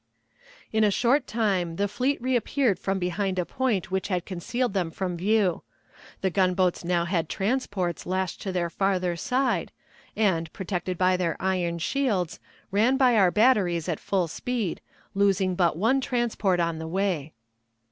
In a short time the fleet reappeared from behind a point which had concealed them from view. The gunboats now had transports lashed to their farther side, and, protected by their iron shields, ran by our batteries at full speed, losing but one transport on the way.